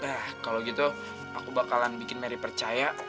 nah kalo gitu aku bakalan bikin meri percaya